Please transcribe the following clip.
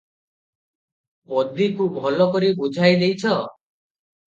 "ପଦୀକୁ ଭଲକରି ବୁଝାଇ ଦେଇଛ?"